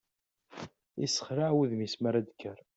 Isexlaɛ wudem-is mi ara d-tekker.